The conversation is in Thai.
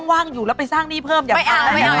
เออว่างอยู่แล้วไปสร้างหนี้เพิ่ม